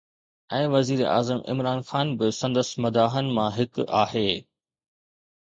۽ وزيراعظم عمران خان به سندس مداحن مان هڪ آهي